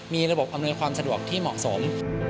มีระบบอำนวยความสะดวกที่เหมาะสม